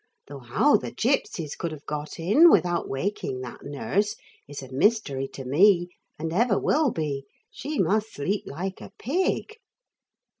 Though how the gipsies could have got in without waking that nurse is a mystery to me and ever will be. She must sleep like a pig.'